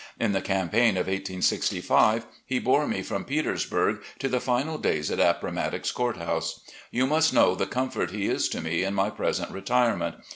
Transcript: In the campaign of 1865, he bore me from Petersburg to the final days at Appomattox Court House. You must know the comfort he is to me in my present retirement.